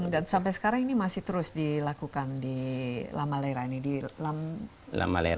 dan sampai sekarang ini masih terus dilakukan di lama lera